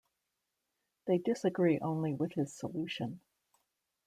They disagree only with his solution.